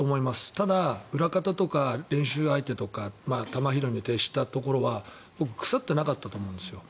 ただ、裏方とか練習相手とか球拾いに徹したところは腐ってなかったと思うんですよ。